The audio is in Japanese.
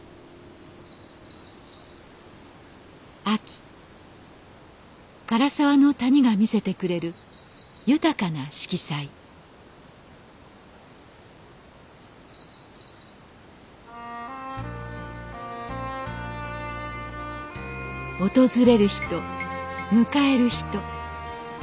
秋涸沢の谷が見せてくれる豊かな色彩訪れる人迎える人。